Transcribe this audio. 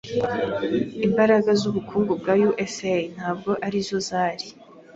Imbaraga zubukungu za USA ntabwo arizo zari.